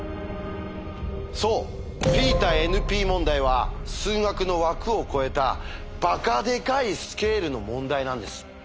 そうＰ対ＮＰ問題は数学の枠を超えたバカでかいスケールの問題なんです。